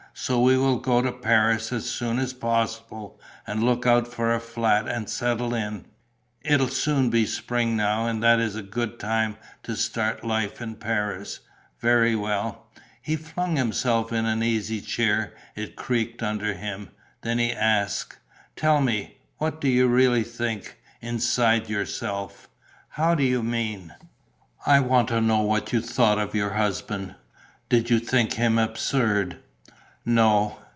So we will go to Paris as soon as possible and look out for a flat and settle in. It'll soon be spring now; and that is a good time to start life in Paris." "Very well." He flung himself into an easy chair; it creaked under him. Then he asked: "Tell me, what do you really think, inside yourself?" "How do you mean?" "I want to know what you thought of your husband. Did you think him absurd?" "No."